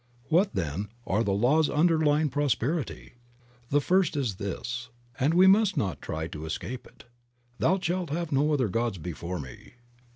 What, then, are the laws underlying prosper ity? The first is this, and we must not try to escape it: "Thou shalt have no other Gods before me."